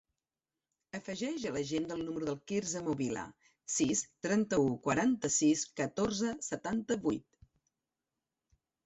Afegeix a l'agenda el número del Quirze Movilla: sis, trenta-u, quaranta-sis, catorze, setanta-vuit.